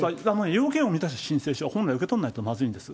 要件を満たす申請書は本来受け取らないとまずいんです。